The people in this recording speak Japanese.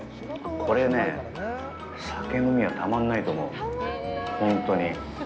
これね、酒飲みはたまんないと思う、ほんとに。